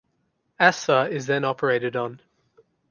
Aastha is then operated on.